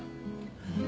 えっ。